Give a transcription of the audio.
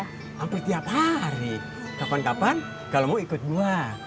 hampir tiap hari kapan kapan kalau mau ikut gua